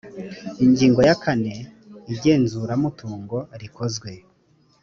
ingingo ya kane ingenzuramutungo rikozwe